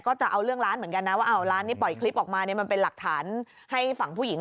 ก็จะเอาเรื่องร้านเหมือนกันนะว่าร้านนี้ปล่อยคลิปออกมาเนี่ยมันเป็นหลักฐานให้ฝั่งผู้หญิง